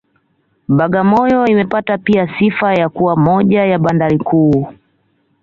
Bagamoyo imepata pia sifa ya kuwa moja ya bandari kuu